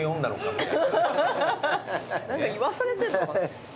何か言わされてんのか。